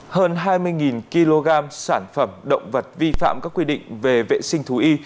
hơn hai mươi kg sản phẩm động vật vi phạm các quy định về vệ sinh thú y